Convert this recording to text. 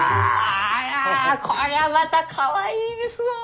ありゃこりゃあまたかわいいですのう！